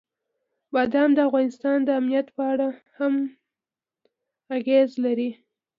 بادام د افغانستان د امنیت په اړه هم اغېز لري.